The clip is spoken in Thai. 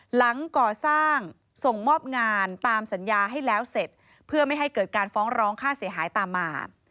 หลังก่อสร้างส่งมอบงานตามสัญญาให้แล้วเสร็จเพื่อไม่ให้เกิดการฟ้องร้องค่าเสียหายตามมา